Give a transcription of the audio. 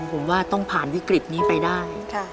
ผมว่าต้องผ่านวิกฤตนี้ไปได้